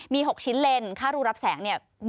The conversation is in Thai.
มี๖ชิ้นเลนส์ค่ารูรับแสง๑๘